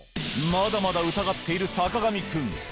まだまだ疑っている坂上くん。